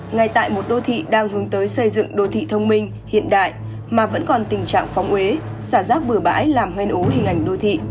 ngay tại một đô thị đang hướng tới xây dựng đô thị thông minh hiện đại mà vẫn còn tình trạng phóng huế xả rác bừa bãi làm hen ố hình ảnh đô thị